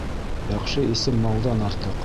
Яҡшы исем малдан артыҡ.